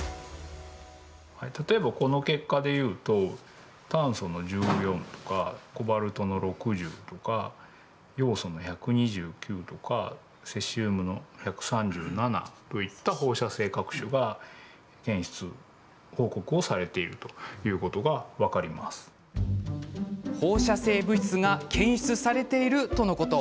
例えば、この結果でいうと炭素の１４とかコバルトの６０とかヨウ素の１２９とかセシウムの１３７といった放射性核種が放射性物質が検出されているとのこと。